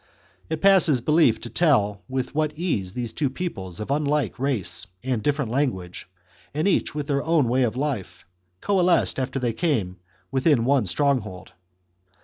It passes belief to tell with what ease these two peoples of unlike race and different language, and each with their own way of life, coalesced after they came within one stronghold.